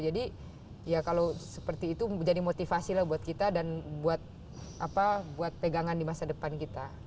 jadi ya kalau seperti itu jadi motivasi lah buat kita dan buat apa buat pegangan di masa depan kita